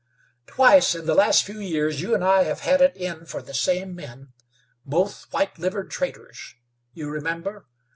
"Twice in the last few years you and I have had it in for the same men, both white livered traitors. You remember?